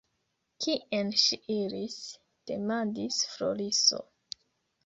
Kien ŝi iris? demandis Floriso.